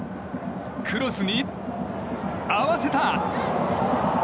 クロスに合わせた！